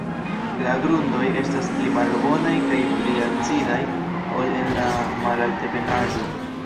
La grundoj estas pli malbonaj kaj pli acidaj ol en la malaltebenaĵo.